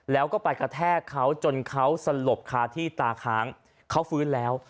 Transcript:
แล้วก็ไปกระแทกเขาจนเขาสลบคาที่ตาค้างเขาฟื้นแล้ว